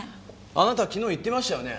あなた昨日言ってましたよね？